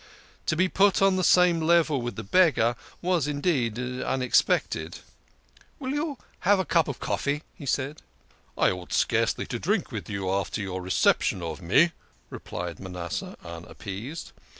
To be put on the same level with the Beggar was indeed unexpected. " Will you have a cup of coffee ?" he said. " I ought scarcely to drink with you after your reception of me," replied Manasseh unappeased.